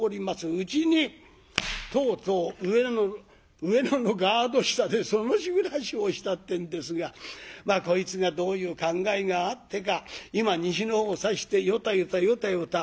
うちにとうとう上野のガード下でその日暮らしをしたってんですがまあこいつがどういう考えがあってか今に西のほうを指してよたよたよたよた。